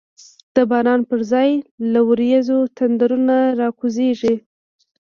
د باران پر ځای له وریځو، تندرونه را کوزیږی